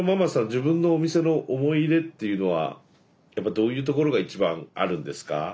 自分のお店の思い入れっていうのはやっぱどういうところが一番あるんですか？